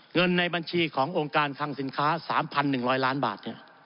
เงินในบัญชีขององค์การคังสินค้า๓๑๐๐ล้านบาท